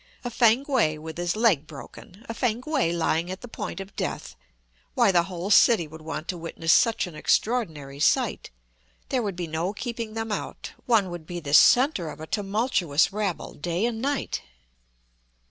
A Fankwae with his leg broken! a Fankwae lying at the point of death! why, the whole city would want to witness such an extraordinary sight; there would be no keeping them out; one would be the centre of a tumultuous rabble day and night!